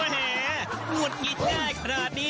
แม่บุ่นอิทแง่ขนาดนี้